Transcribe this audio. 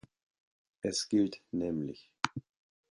Es gilt nämlich